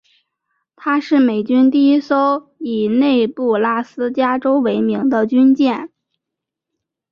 她是美军第一艘以内布拉斯加州为名的军舰。